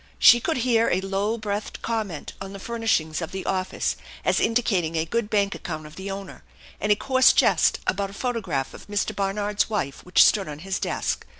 She could hear a low breathed comment on the furnishings of the office as indicating a good bank account of the owner, and a coarse jest about a photograph of Mr. Barnard's wife which stood on his desk.